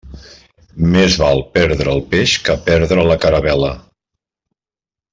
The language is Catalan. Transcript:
Més val perdre el peix que perdre la caravel·la.